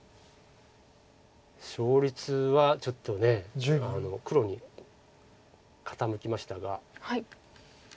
勝率はちょっと黒に傾きましたが。